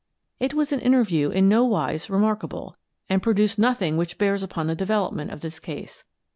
It was an interview in no wise remark able, and produced nothing which bears upon the development of this case.